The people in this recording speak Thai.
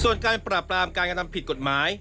ส่วนการปราบรามการกระทำผิดกฎหมาย